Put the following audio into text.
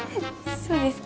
そうですか？